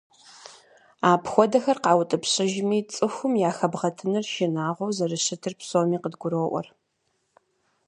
Апхуэдэхэр къаутӏыпщыжми, цӀыхум яхэбгъэтыныр шынагъуэу зэрыщытыр псоми къыдгуроӏуэр.